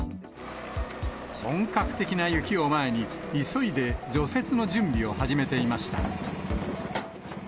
本格的な雪を前に、急いで除雪の準備を始めていました。